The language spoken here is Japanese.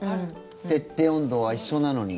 設定温度は一緒なのに。